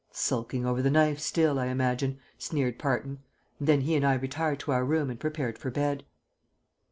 "Sulking over the knife still, I imagine," sneered Parton; and then he and I retired to our room and prepared for bed.